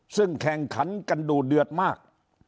ซึ่งแข่งขันกันดูเดือดมาก